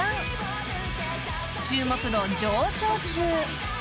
［注目度上昇中］